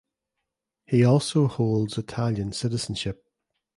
He also holds Italian citizenship.